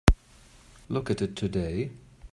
Look at it today.